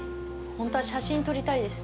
ホントは写真撮りたいです。